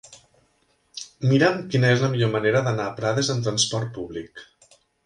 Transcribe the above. Mira'm quina és la millor manera d'anar a Prades amb trasport públic.